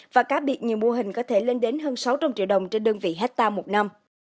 và cá biệt nhiều mô hình có thể lên đến hơn sáu trăm linh triệu đồng trên đơn vị hectare một năm